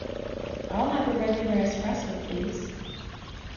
I'll have a regular Espresso please.